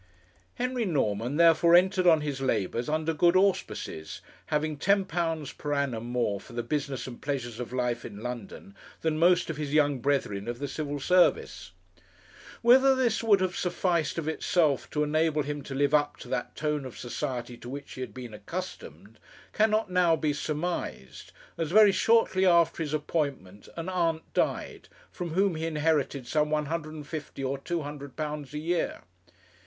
Henry Norman, therefore, entered on his labours under good auspices, having £10 per annum more for the business and pleasures of life in London than most of his young brethren of the Civil Service. Whether this would have sufficed of itself to enable him to live up to that tone of society to which he had been accustomed cannot now be surmised, as very shortly after his appointment an aunt died, from whom he inherited some £150 or £200 a year.